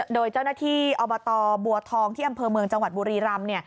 โดยเจ้าหน้าที่อบตบัวทองที่อำเภอเมืองจังหวัดบุรีรำ